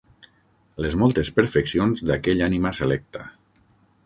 Les moltes perfeccions d'aquella ànima selecta.